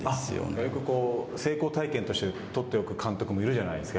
だいぶ成功体験として取っておく監督もいるじゃないですか。